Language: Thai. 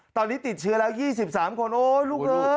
ตอนนี้ติดเชื้อแล้ว๒๓คนโอ๋ลูกติดโควิดนะลูก